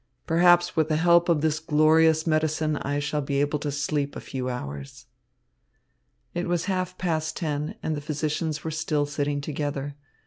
Perhaps, with the help of this glorious medicine, I shall be able to sleep a few hours." It was half past ten, and the physicians were still sitting together.